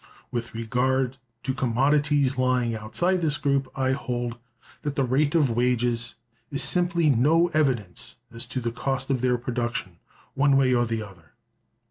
With regard to commodities lying outside this group, I hold that the rate of wages is simply no evidence as to the cost of their production, one way or the other.